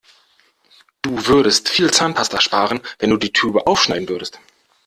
Du würdest viel Zahnpasta sparen, wenn du die Tube aufschneiden würdest.